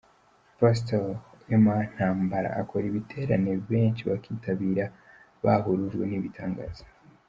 Pastor Emma Ntambara akora ibiterane benshi bakitabira bahurujwe n'ibitangaza.